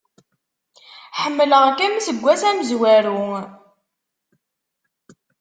Ḥemmleɣ-kem seg ass amezwaru.